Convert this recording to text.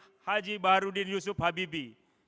pak haji baharudin yusuf habibi